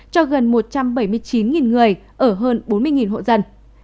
cho gần một trăm bảy mươi chín người ở hơn bốn mươi hộ dân